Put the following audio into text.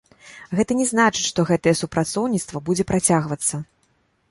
Гэта не значыць, што гэтае супрацоўніцтва будзе працягвацца.